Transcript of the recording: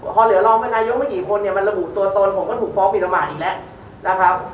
พอเหลือรองนายกไม่กี่คนเนี่ยมันระบุตัวตนผมก็ถูกฟ้องบิรมาตอีกแล้วนะครับ